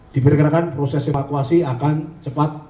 diperkirakan proses evakuasi akan cepat